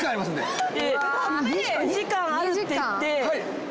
２時間あるって言って。